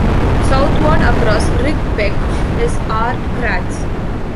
Southward across Rigg Beck is Ard Crags.